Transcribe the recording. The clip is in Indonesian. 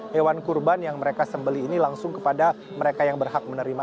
hewan kurban yang mereka sembeli ini langsung kepada mereka yang berhak menerima